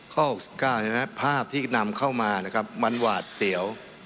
ข้อ๖๙ภาพที่นำเข้ามานะครับมันหวาดเสียว